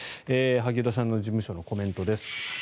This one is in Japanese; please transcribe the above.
萩生田さんの事務所のコメントです。